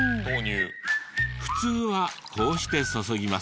普通はこうして注ぎますよね。